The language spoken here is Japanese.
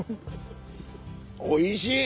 おいしい！